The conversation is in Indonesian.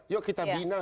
yuk kita bina